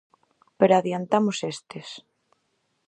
Pero adiantamos estes.